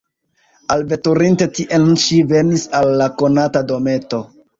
Alveturinte tien, ŝi venis al la konata dometo.